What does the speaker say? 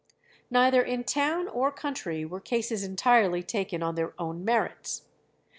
Neither in town or country were cases entirely taken on their own merits.